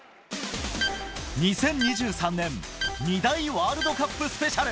２０２３年２大ワールドカップスペシャル。